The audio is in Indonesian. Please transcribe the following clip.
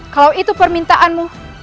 kalau itu permintaanmu